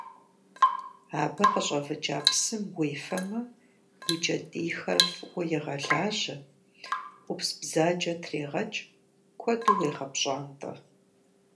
Абы къыщӏэвыкӏа псым уефэмэ, уи кӏэтӏийхэр фӏыуэ егъэлажьэ, ӏупсбзаджэр трегъэкӏ, куэду уегъэпщӏантӏэ.